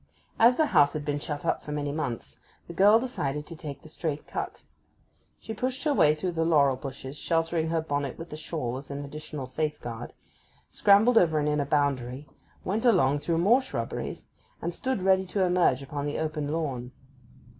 As the house had been shut up for many months, the girl decided to take the straight cut. She pushed her way through the laurel bushes, sheltering her bonnet with the shawl as an additional safeguard, scrambled over an inner boundary, went along through more shrubberies, and stood ready to emerge upon the open lawn.